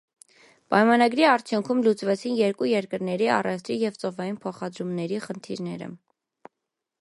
Պայմանագրի արդյունքում լուծվեցին երկու երկրների առևտրի և ծովային փոխադրումների խնդիրները։